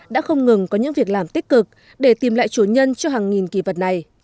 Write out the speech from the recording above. đã không ngừng có những việc làm tích cực để tìm lại chủ nhân cho hàng nghìn kỳ vật này